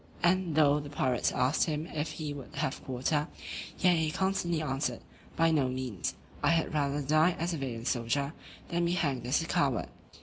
And though the pirates asked him if he would have quarter; yet he constantly answered, "By no means, I had rather die as a valiant soldier, than be hanged as a coward."